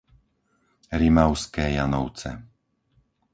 Rimavské Janovce